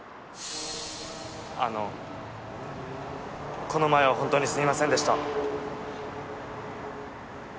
あのこの前は本当にすいませんでした！